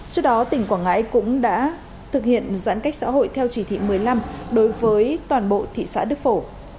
trước đó tỉnh quảng ngãi cũng đã thực hiện giãn cách xã hội theo chỉ thị một mươi năm đối với toàn bộ thị xã đức phổ